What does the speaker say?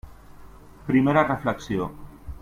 Primera reflexió.